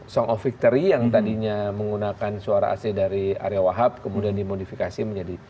song of victory yang tadinya menggunakan suara ac dari area wahab kemudian dimodifikasi menjadi